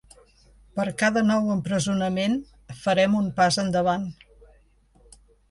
Per cada nou empresonament, farem un pas endavant.